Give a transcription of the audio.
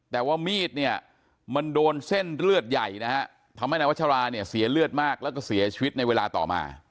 แต่ว่ามีดเนี่ยมันโดนเส้นเลือดใหญ่นะฮะทำให้นายวัชราเนี่ยเสียเลือดมากแล้วก็เสียชีวิตในเวลาต่อมา